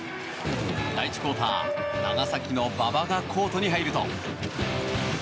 第１クオーター長崎の馬場がコートに入ると。